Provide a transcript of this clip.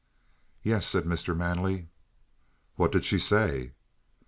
"Yes," said Mr. Manley. "What did she say?"